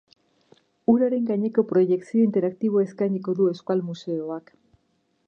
Uraren gaineko proiekzio interaktiboa eskainiko du euskal museoak.